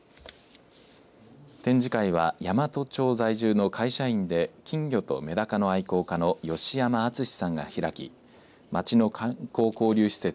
展示会は山都町在住の会社員で金魚とメダカの愛好家の吉山敦さんが開き町の観光交流施設